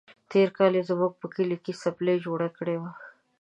تېر کال يې زموږ په کلي کې څپلۍ جوړه کړې وه.